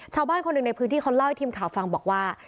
ชาวบ้านคนหนึ่งในพื้นที่เขาเล่าให้ทีมข่าวฟังบอกว่า